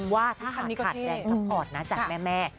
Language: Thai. ขาดแดงซัพพอร์ตนะจากแม่